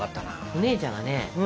お姉ちゃんがね